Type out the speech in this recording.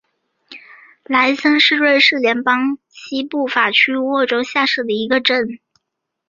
莱森是瑞士联邦西部法语区的沃州下设的一个镇。